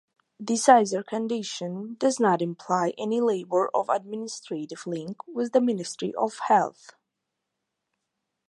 The sizer condition does not imply any labor or administrative link with the Ministry of Health.